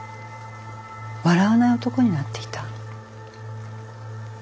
笑わない男になっていた。